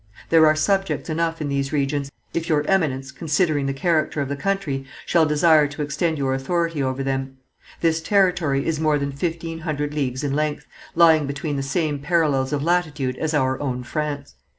"There are subjects enough in these regions, if your Eminence, considering the character of the country, shall desire to extend your authority over them. This territory is more than fifteen hundred leagues in length, lying between the same parallels of latitude as our own France.